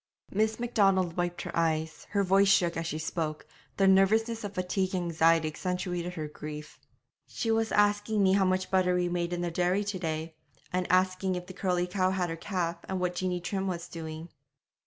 Miss Macdonald wiped her eyes; her voice shook as she spoke; the nervousness of fatigue and anxiety accentuated her grief. 'She was asking me how much butter we made in the dairy to day, and asking if the curly cow had her calf, and what Jeanie Trim was doing.'